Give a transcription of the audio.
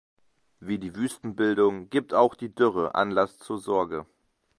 Wie die Wüstenbildung gibt auch die Dürre Anlass zur Sorge.